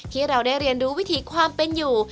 ที่เราได้เรียนรู้วิถีความเป็นอยู่